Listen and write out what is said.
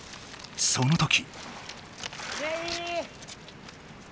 その時。